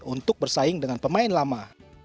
untuk bersaing dengan pemain lama